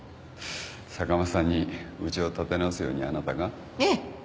坂間さんにうちを立て直すようにあなたが？ええ。